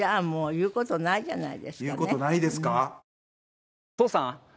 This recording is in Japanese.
言う事ないですか？